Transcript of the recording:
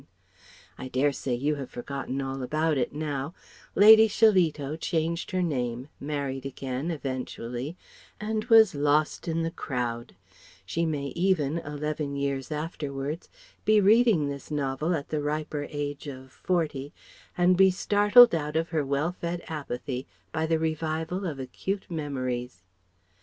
I dare say you have forgotten all about it now: Lady Shillito changed her name, married again (eventually), and was lost in the crowd she may even, eleven years afterwards, be reading this novel at the riper age of forty and be startled out of her well fed apathy by the revival of acute memories.